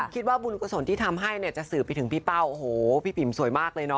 คิดว่าบุญกุศลที่ทำให้เนี่ยจะสื่อไปถึงพี่เป้าโอ้โหพี่ปิ๋มสวยมากเลยเนาะ